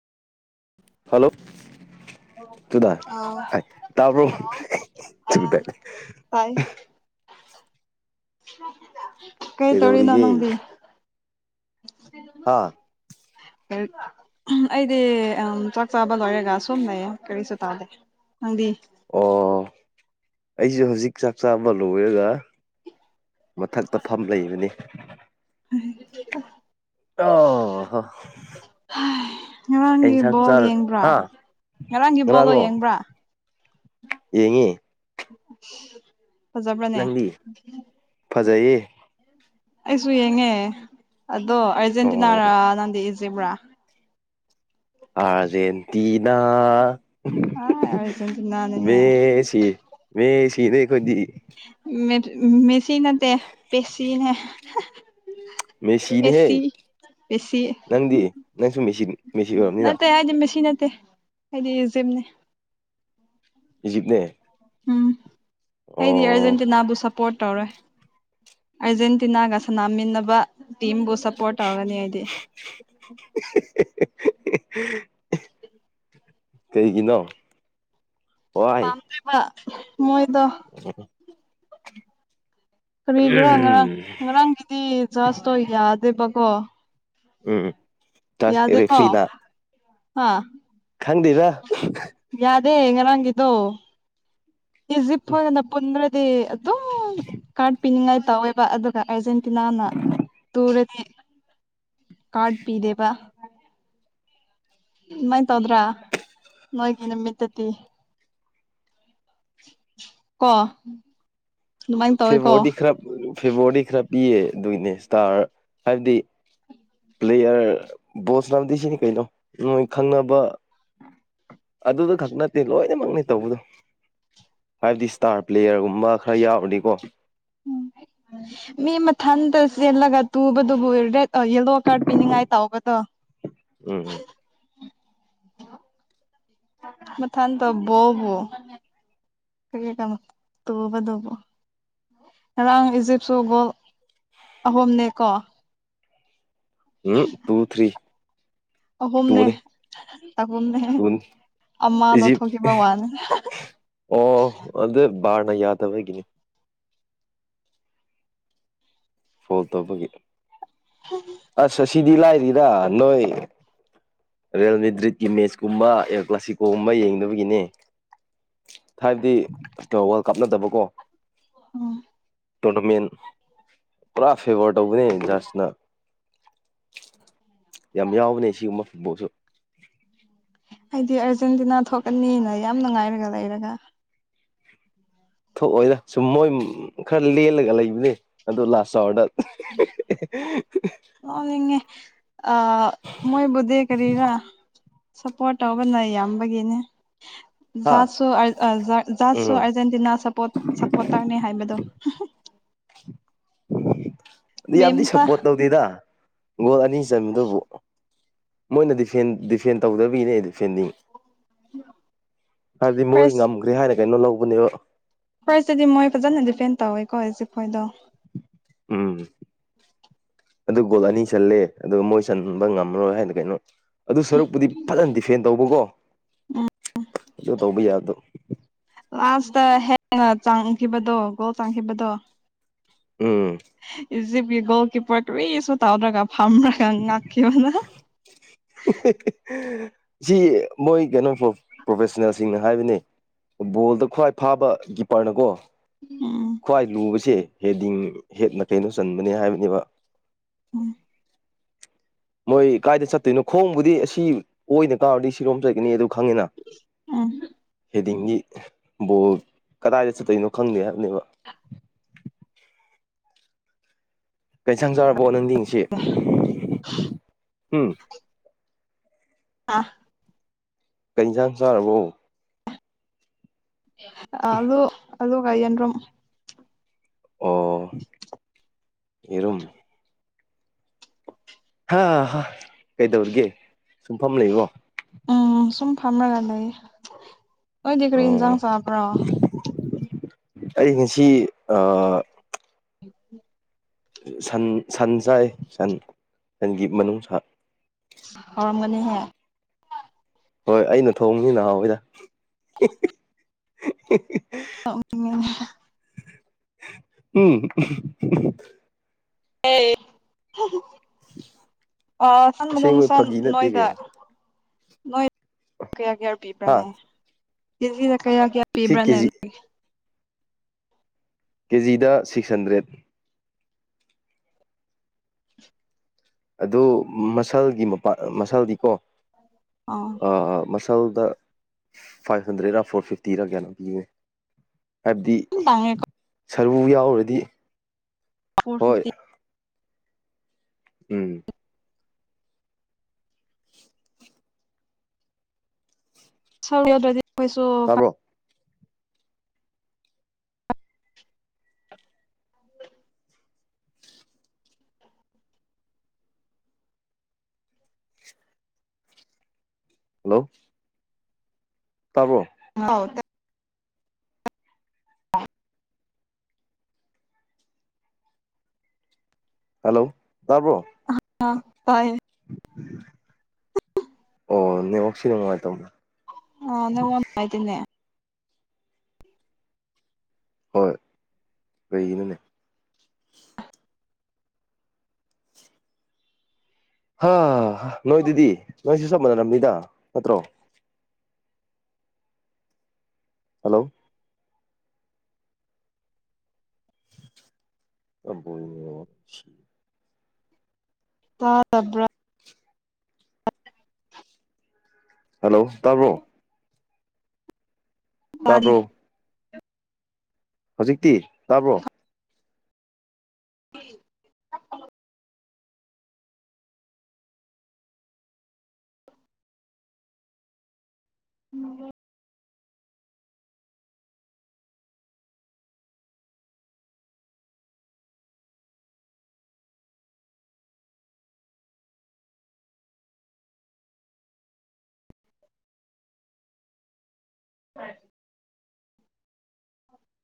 hello ꯇꯨꯗ ꯑꯥ ꯑꯥꯏ ꯇꯥꯕ꯭ꯔꯣ [unintelligible] ꯇꯥꯏ ꯀꯩ ꯇꯧꯔꯤꯅꯣ ꯅꯪꯗꯤ ꯀꯩꯗꯧꯔꯤꯒꯦ [inaudible] ꯍꯥꯥ ꯂꯩꯔꯤꯛ ꯑꯩꯗꯤ ꯎꯝ ꯆꯥꯛ ꯆꯥꯕ ꯂꯣꯏꯔꯒ ꯁꯨꯝ ꯂꯩꯌꯦ ꯀꯥꯔꯤꯁꯨ ꯇꯧꯗꯦ ꯅꯪꯗꯤ ꯑꯣ ꯑꯩꯖꯨ ꯍꯧꯖꯤꯛ ꯆꯥꯛ ꯆꯥꯕ ꯂꯣꯏꯔꯒ ꯃꯊꯛꯇ ꯐꯝ ꯂꯩꯕꯅꯤ ꯍꯥꯏ [unintelligible] ꯑꯣ ꯍꯣ ꯀꯩ ꯉꯔꯥꯡꯒꯤ ꯏꯟꯁꯥꯡ ꯕꯣꯜ ꯆꯥꯔ ꯌꯦꯡꯕ꯭ꯔꯥ ꯑꯥ ꯉꯔꯥꯡꯒꯤ ꯕꯣꯜꯗꯣ ꯉꯥꯔꯥꯡꯉꯣ ꯌꯦꯡꯕ꯭ꯔꯥ ꯌꯦꯡꯉꯦ [inaudible] ꯅꯪꯗꯤ ꯐꯖꯩꯌꯦ ꯑꯩꯁꯨ ꯌꯦꯡꯉꯦ ꯑꯗꯣ ꯑꯣ ꯑꯔꯖꯦꯟꯇꯤꯅꯥꯔꯥ ꯅꯪꯗꯤ ꯏꯖꯤꯕꯔꯥ ꯑꯔꯖꯦꯟꯇꯤꯅꯥ ꯑ ꯑꯥꯔꯖꯦꯟꯇꯤꯅꯥꯅꯤꯅꯦ ꯃꯦꯁꯤ ꯃꯦꯁꯤꯅꯦ ꯑꯩꯈꯣꯏꯗꯤ ꯃꯦ ꯃꯦꯁꯤ ꯅꯠꯇꯦ ꯄꯦꯁꯤꯅꯦ ꯃꯦꯁꯤꯅꯦ ꯍꯦ ꯄꯦꯁꯤ ꯄꯦꯁꯤ ꯃꯦꯁꯤ ꯃꯦꯁꯤ ꯑꯣꯏꯔꯕꯅꯤꯅ ꯅꯠꯇꯦ ꯑꯩꯗꯤ ꯃꯦꯁꯤ ꯅꯠꯇꯦ ꯑꯩꯗꯤ ꯏꯖꯤꯞꯅꯦ ꯏꯖꯤꯞꯅꯦ ꯎꯝ ꯑꯩꯗꯤ ꯑꯣ ꯑꯔꯖꯦꯟꯇꯤꯅꯥꯕꯨ ꯁꯞꯄꯣꯔꯠ ꯇꯧꯔꯣꯏ ꯑꯥꯔꯖꯦꯟꯇꯤꯅꯥꯒ ꯁꯥꯟꯅꯃꯤꯟꯅꯕ ꯇꯤꯝꯕꯨ ꯁꯞꯄꯣꯔꯠ ꯇꯧꯒꯅꯤ ꯑꯩꯗꯤ ꯀꯩꯒꯤꯅꯣ ꯋꯥꯏ ꯄꯝꯗꯦꯕ ꯃꯣꯏꯗꯣ [unintelligible] ꯀꯔꯤꯒꯤꯔꯥ ꯎꯝ ꯉꯔꯥꯡ-ꯉꯔꯥꯡꯒꯤꯗꯤ ꯖꯁꯇꯣ ꯌꯥꯗꯦꯕꯀꯣ ꯎꯝ ꯎꯝ ꯌꯥꯗꯦꯀꯣ ꯍꯥ ꯈꯪꯗꯤꯗ ꯌꯥꯗꯦ ꯉꯥꯔꯥꯡꯒꯤꯗꯣ ꯏꯖꯤꯞ ꯐꯣꯏꯒꯥꯅ ꯄꯨꯟꯒ꯭ꯔꯥꯗꯤ ꯑꯗꯨꯝ ꯀꯥꯔꯗ ꯄꯤꯅꯤꯡꯉꯥꯏ ꯇꯧꯋꯦꯕ ꯑꯗꯨꯒ ꯑꯥꯔꯖꯦꯟ ꯇꯤꯅꯥꯅ ꯇꯨꯔꯥꯗꯤ ꯀꯥꯔꯠ ꯄꯤꯗꯦꯕ ꯃꯥꯏ ꯇꯧꯗ꯭ꯔꯥ ꯅꯣꯏꯒꯤꯅ ꯃꯤꯠꯇꯗꯤ ꯀꫭ ꯐꯦꯞꯕꯣꯔꯗꯤ ꯈꯔ ꯐꯦꯞꯕꯣꯔꯗꯤ ꯈꯔ ꯄꯤꯌꯦ ꯑꯗꯨꯒꯤꯅꯦ ꯏꯁꯇꯥꯔ ꯍꯥꯏꯕꯗꯤ ꯄ꯭ꯂꯦꯌꯔ ꯕꯣꯁ ꯅꯝꯗꯤ ꯁꯤꯅꯤ ꯀꯩꯅꯣ ꯅꯣꯏ ꯈꯪꯅꯕ ꯑꯗꯨꯗ ꯈꯛ ꯅꯠꯇꯦ ꯂꯣꯏꯅꯃꯛꯅꯤ ꯇꯧꯕꯗꯣ ꯍꯥꯏꯕꯗꯤ ꯏꯁꯇꯥꯔ ꯄ꯭ꯂꯦꯌꯔꯒꯨꯝꯕ ꯈꯔ ꯌꯥꯎꯔꯗꯤꯀꯣ ꯎꯝ ꯃꯤ ꯃꯊꯟꯇ ꯆꯦꯜꯂꯒ ꯇꯨꯕꯗꯨꯕꯨ ꯔꯦꯠ ꯌꯦꯜꯂꯣ ꯀꯥꯔꯠ ꯄꯤꯅꯤꯡꯉꯥꯏ ꯇꯧꯕꯗꯣ [inaudible] ꯎꯝ ꯎꯝ ꯃꯊ ꯇꯕꯣꯕꯣ ꯀ ꯀꯃ ꯇꯕꯗꯕꯣ ꯉꯔꯥꯡ ꯏꯖꯤꯞꯁꯨ ꯒꯣꯜ ꯑꯍꯨꯝꯅꯦꯀꯣ ꯎꯝ ꯇꯨ ꯊ꯭ꯔꯤ ꯑꯍꯨꯝꯅꯦ ꯇꯨꯅꯦ ꯑꯍꯨꯝꯅꯦ ꯇꯨꯅꯤ ꯑꯃ ꯏꯖꯤꯞ ꯂꯧꯊꯣꯛꯈꯤꯕ ꯋꯥꯅꯦ ꯑꯣ ꯑꯗꯨ ꯕꯥꯔꯅ ꯌꯥꯗꯕꯒꯤꯅꯤ ꯐꯣꯜ ꯇꯧꯕꯒꯤ ꯎꯝ ꯑꯁ ꯑꯁꯤꯗꯤ ꯂꯥꯏꯅꯤꯗ ꯅꯣꯏ ꯔꯤꯌꯦꯜꯃꯤ ꯗ꯭ꯔꯤꯠꯀꯤ ꯃꯦꯠꯆ ꯀꯨꯝꯕ ꯑꯦ ꯀ꯭ꯂꯥꯁꯤꯀꯣꯒꯨꯝꯕ ꯌꯦꯡꯗꯕꯒꯤꯅꯦ ꯊꯕꯗꯤ ꯋꯥꯔꯜ ꯀꯞꯅꯗꯕꯀꯣ ꯎꯝ ꯇꯣꯔꯅꯥꯃꯦꯟ ꯄꯨꯔꯥ ꯐꯦꯕꯔ ꯇꯧꯕꯅꯦ ꯖꯁꯅ ꯎꯝ [inaudible] ꯌꯥꯝ ꯌꯥꯎꯕꯅꯦ ꯁꯤꯒꯨꯝꯕ ꯐꯨꯠꯕꯣꯜꯁꯨ ꯑꯩꯗꯤ ꯑꯔꯖꯦꯟꯇꯤꯅꯥ ꯊꯣꯛꯀꯅꯤꯅ ꯌꯥꯝ ꯅꯨꯡꯉꯥꯏꯔꯒ ꯂꯩꯔꯒ ꯊꯣꯛꯑꯣꯏꯅ ꯁꯨꯝ ꯃꯣꯏ ꯈꯔ ꯂꯦꯜꯂꯒ ꯂꯩꯕꯅꯦ ꯑꯗꫭ ꯂꯥꯁ ꯑꯣꯔꯗ ꯂꯅꯤꯡꯉꯦ ꯑ ꯃꯣꯏꯕꯨꯗꯤꯦ ꯀꯔꯤꯔ ꯁꯞꯄꯣꯔꯠ ꯇꯧꯕꯅ ꯌꯥꯝꯕꯒꯤꯅꯦ ꯍꯥ ꯖꯥꯠꯁꯨꯖꯥꯠꯁꯨ ꯎꯝ ꯑꯥꯔꯖꯦꯟꯇꯤꯅꯥ ꯁꯄꯣꯔꯇꯔꯅꯦ ꯍꯥꯏꯕꯗꯣ ꯑꯗꯨ ꯌꯥꯝꯗꯤ ꯃꯦꯝꯇ ꯁꯞꯄꯣꯔꯠ ꯇꯧꯅꯤꯦꯗ ꯒꯣꯜ ꯑꯅꯤ ꯆꯟꯕꯗꯨꯕꯨ ꯃꯣꯏꯅ ꯗꯤꯐ ꯗꯤꯐꯦꯟ ꯇꯧꯗꯕꯤꯅꯦ ꯑꯩ ꯗꯤꯐꯦꯟꯗꯤꯡ ꯍꯥꯏꯕꯗꯤ ꯃꯣꯏ ꯐꯥꯔꯁ ꯉꯝꯈ꯭ꯔꯦ ꯍꯥꯏꯅ ꯀꯩꯅꯣ ꯂꯧꯕꯅꯦꯕ ꯐꯣꯏꯁꯇꯗꯤ ꯃꯣꯏ ꯐꯖꯅ ꯗꯤꯄꯦꯟ ꯇꯧꯋꯦꯀꯣ ꯑꯩꯁꯦꯐꯣꯏꯗꯣ ꯎꯝ ꯑꯗꯨ ꯒꯣꯜ ꯑꯅꯤ ꯆꯜꯂꯦ ꯑꯗꯨꯒ ꯃꯣꯏ ꯆꯟꯕ ꯉꯝꯃꯔꯣꯏ ꯍꯥꯏꯅ ꯀꯩꯅꯣ ꯑꯗꯨ ꯁꯔꯨꯛꯄꯨꯗꯤ ꯐꯖꯅ ꯗꯤꯐꯦꯟ ꯇꯧꯕꯀꯣ ꯑꯗꯨ ꯇꯧꯕ ꯌꯥꯗ ꯂꯥꯁꯇ ꯍꯦꯛ ꯆꯥꯡꯈꯤꯕꯗꯣ ꯒꯣꯜ ꯆꯥꯡꯈꯤꯕꯗꯣ ꯎꯝ ꯏꯖꯤꯞꯀꯤ ꯒꯣꯜ ꯀꯤꯄꯔꯗꯨꯁꯨ ꯇꯥꯎꯗ꯭ꯔꯒ ꯐꯝ꯭ꯔꯒ ꯉꯥꯛꯀꯤꯅ ꯁꯤ ꯃꯣꯏ ꯀꯩꯅꯣ ꯄ꯭ꯔꯣꯐꯦꯁꯅꯦꯜꯁꯤꯡꯅ ꯍꯥꯏꯕꯅꯦ ꯕꯣꯜꯗ ꯈ꯭ꯋꯥꯏ ꯐꯥꯕ ꯀꯤꯞꯄꯔꯅꯀꯣ ꯎꯝ ꯈ꯭ꯋꯥꯏ ꯂꯨꯕꯁꯦ ꯍꯦꯗꯤꯡ ꯍꯦꯠꯅ ꯀꯩꯅꯣ ꯆꯟꯕꯅꯦ ꯍꯥꯏꯕꯅꯦꯕ ꯎꯝ ꯃꯣꯏ ꯀꯥꯏꯗ ꯆꯠꯇꯣꯏꯅꯣ ꯈꯣꯡꯕꯨꯗꯤ ꯑꯁꯤ ꯑꯣꯏꯅ ꯀꯥꯔꯗꯤ ꯁꯤꯔꯣꯝ ꯆꯠꯀꯅꯤ ꯑꯗꯨ ꯈꯪꯉꯤꯅ ꯎꯝ ꯍꯦꯗꯤꯡꯒꯤ ꯕꯣꯜ ꯀꯗꯥꯏꯗ ꯆꯠꯇꯣꯏꯅꯣ ꯈꯪꯗꯦ ꯍꯥꯏꯕꯅꯦꯕ ꯀꯩꯁꯪ ꯆꯥꯔꯕꯣ ꯅꯪꯗꯤꯡꯁꯤ ꯑꯁ ꯎꯝ ꯑꯥ ꯀꯩꯁꯥꯡ ꯆꯥꯔꯕꯣ ꯑꯂꯣ ꯑꯂꯣꯒ ꯌ‌ꯦꯗꯔꯨꯝ ꯑꯣ ꯏꯔꯨꯝ ꯑ ꯀꯩꯗꯧꯔꯤꯒꯦ ꯁꯨꯡꯐꯝ ꯂꯩꯕꯣ ꯎꯝ ꯁꯨꯝ ꯐꯝꯅꯒ ꯂꯩ ꯑꯣꯏꯗꯤ ꯀꯔꯤ ꯏꯟꯖꯥꯡ ꯑꯣ ꯆꯥꯕ꯭ꯔꯣ ꯑꯩ ꯉꯁꯤ ꯎ [unintelligible] ꯁꯟ ꯁꯟ ꯆꯥꯏ ꯁꯟ ꯁꯟꯒꯤ ꯃꯅꯨꯡꯁ ꯍꯧꯎꯔꯝꯒꯅꯤꯍꯦ ꯍꯣꯏ ꯑꯩꯅ ꯊꯣꯡꯅꯤ ꯅꯍꯥꯟꯋꯥꯏꯗ [unintelligible] ꯎꯝ [unintelligible] ꯑꯦ [unintelligible] ꯑ ꯁꯟ ꯃꯅꯨꯡ ꯑꯁꯦꯡꯕ ꯁꯟ ꯐꯥꯒꯤ ꯅꯠꯇꯦ ꯅꯣꯏꯗ ꯀꯩꯅꯣ ꯅꯣꯏ ꯀꯌꯥ ꯀꯌꯥ ꯍꯥ ꯄꯤꯕ꯭ꯔꯥꯅꯦ ꯀꯦꯖꯤꯗ ꯀꯌꯥ ꯀꯌꯥ ꯁꯤ ꯄꯤꯕ꯭ꯔꯅꯦ ꯀꯦꯖꯤ ꯀꯦꯖꯤꯗ ꯁꯤꯛꯁ ꯍꯟꯗ꯭ꯔꯦꯠ ꯑꯗꯨ ꯃꯁꯜꯒꯤ ꯃꯄꯥꯥꯟ ꯃꯁꯜꯗꯤꯀꯣ ꯑꯣ ꯃꯁꯜꯗ ꯐꯥꯏꯚ ꯍꯟꯗ꯭ꯔꯦꯗꯔꯥ ꯐꯣꯔ ꯐꯤꯐꯇꯤꯔꯥ ꯀꯅꯣ ꯄꯤ ꯍꯥꯏꯕꯗꯤ ꯌꯥꯝ ꯇꯥꯡꯉꯦꯀꯣ ꯁꯔꯨ ꯌꯥꯎꯔꯗꯤ ꯐꯣꯔ ꯍꯣꯏ ꯐꯤꯐꯇꯤ ꯎꯝ ꯗꯤ ꯀꯣꯏꯁꯨ ꯇꯥꯕ꯭ꯔꯣ ꯍꯜꯂꯣ ꯇꯥꯕꯣ ꯍ ꯍꯜꯂꯣ ꯇꯔꯕ꯭ꯔꯣ [unintelligible] ꯑꯣ ꯅꯅꯤꯉ ꯁꯤꯗ ꯉꯥꯏꯇꯧꯅꯦ ꯑ ꯅ ꯋꯥ ꯍꯥꯏꯥꯏꯇꯅꯦ ꯍꯣꯏ ꯀꯩꯒꯤꯅꯅꯦ ꯍꯥ ꯅꯣꯏꯗꯨꯗꯤ ꯅꯣꯏꯁꯨ ꯆꯞ ꯃꯥꯟꯅꯔꯕꯅꯤꯗ ꯅꯠꯇ꯭ꯔꯣ ꯍꯜꯂꯣ [unintelligible] ꯇꯥꯗꯕꯔꯥ ꯍꯜꯂꯣ ꯇꯥꯕ꯭ꯔꯣ ꯇꯥꯔꯦ ꯇꯥꯕ꯭ꯔꯣ ꯍꯧꯖꯤꯛꯇꯤ ꯇꯥꯕ꯭ꯔꯣ ꯎꯝ [unintelligible] ꯎꯝ ꯑꯣꯏ